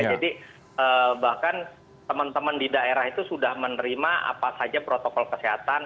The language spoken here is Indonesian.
jadi bahkan teman teman di daerah itu sudah menerima apa saja protokol kesehatan